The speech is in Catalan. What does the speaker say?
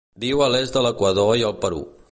Viu a l'est de l'Equador i el Perú.